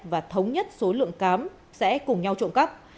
và thống nhất số lượng cám sẽ cùng nhau trộm cắp